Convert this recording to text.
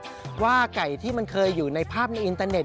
เพราะว่าไก่ที่มันเคยอยู่ในภาพในอินเตอร์เน็